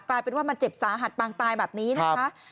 กลายเป็นว่ามันเจ็บสาหัสปางตายแบบนี้นะคะ